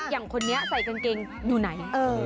อย่างคนนี้ใส่กางเกงอยู่ไหน